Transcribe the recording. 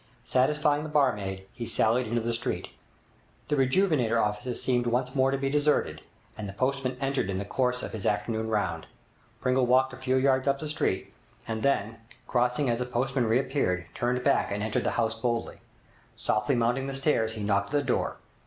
Satisfying the barmaid, he sallied into the street. The 'Rejuvenator' offices seemed once more to be deserted, and the postman entered in the course of his afternoon round. Pringle walked a few yards up the street and then, crossing as the postman re appeared, turned back and entered the house boldly. Softly mounting the stairs, he knocked at the door.